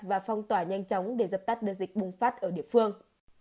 và phong tỏa nhanh chóng để dập tắt đợt dịch bùng phát ở địa phương